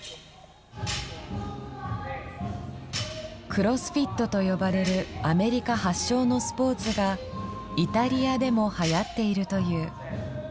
クロスフィットと呼ばれるアメリカ発祥のスポーツがイタリアでもはやっているという。